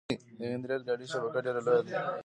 د هند ریل ګاډي شبکه ډیره لویه ده.